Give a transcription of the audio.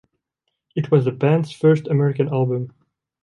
It was the band's first American album.